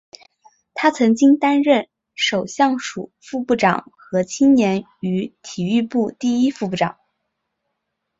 他曾经担任首相署副部长和青年与体育部第一副部长。